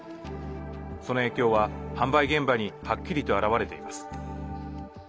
その影響は販売現場にはっきりと表れています。